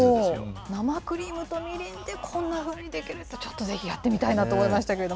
生クリームとみりんでこんなふうにできるって、ちょっとぜひやってみたいなと思いましたけど。